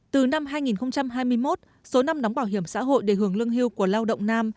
từ năm hai nghìn hai mươi một số năm đóng bảo hiểm xã hội để hưởng lương hưu của lao động nam